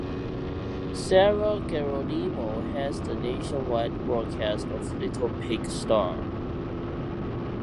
Sarah Geronimo heads the nationwide broadcast of Little Big Star.